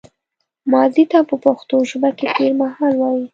ماضي ته په پښتو ژبه کې تېرمهال وايي